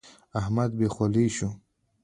احمد بې خولې شو.